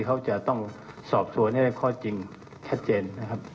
เขาจะต้องสอบสวนให้ได้ข้อจริงชัดเจนนะครับ